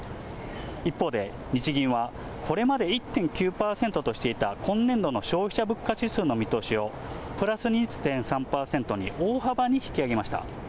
一方で、日銀は、これまで１．９％としていた今年度の消費者物価指数の見通しを、プラス２．３％に大幅に引き上げました。